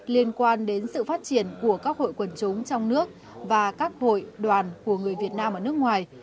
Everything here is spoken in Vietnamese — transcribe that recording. liên quan đến sự phát triển của các hội quần chúng trong nước và các hội đoàn của người việt nam ở nước ngoài